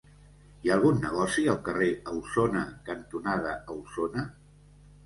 Hi ha algun negoci al carrer Ausona cantonada Ausona?